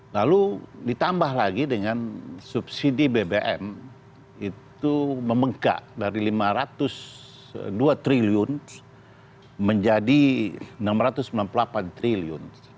lalu ditambah lagi dengan subsidi bbm itu memengkak dari rp lima ratus dua triliun menjadi rp enam ratus sembilan puluh delapan triliun